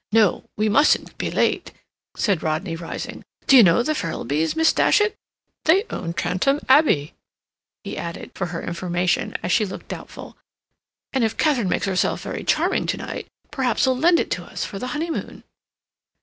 No, we mustn't be late," said Rodney, rising. "D'you know the Ferrilbys, Miss Datchet? They own Trantem Abbey," he added, for her information, as she looked doubtful. "And if Katharine makes herself very charming to night, perhaps'll lend it to us for the honeymoon."